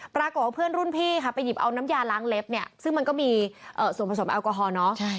ปรากฏว่าเพื่อนรุ่นพี่ค่ะไปหยิบเอาน้ำยาล้างเล็บเนี่ยซึ่งมันก็มีส่วนผสมแอลกอฮอลเนาะ